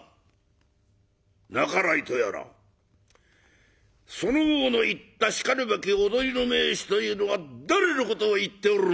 半井とやらそのほうの言ったしかるべき踊りの名手というのは誰のことを言っておるのだ！